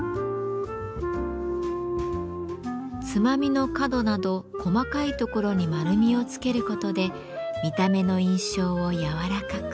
つまみの角など細かいところに丸みをつけることで見た目の印象を柔らかく。